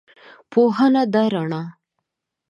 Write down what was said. پوهنه ده رڼا